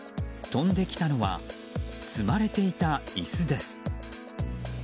飛んできたのは積まれていた椅子です。